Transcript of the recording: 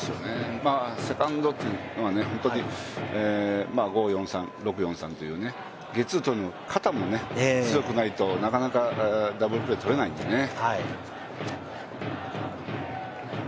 セカンドというのは本当に５−４−３、６−４−３というゲッツーとるには肩も強くないと、なかなかダブルプレーとれないのでね。